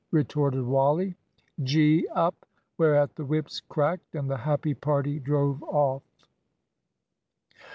retorted Wally. "Gee up!" Whereat the whips cracked and the happy party drove off.